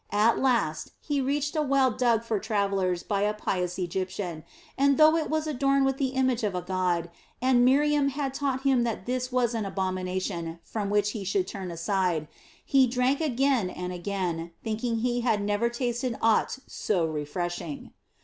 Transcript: At last he reached a well dug for travelers by a pious Egyptian, and though it was adorned with the image of a god and Miriam had taught him that this was an abomination from which he should turn aside, he drank again and again, thinking he had never tasted aught so refreshing.